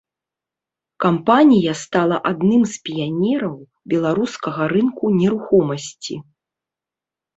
Кампанія стала адным з піянераў беларускага рынку нерухомасці.